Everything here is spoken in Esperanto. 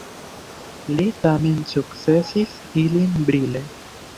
Li tamen sukcesis ilin brile.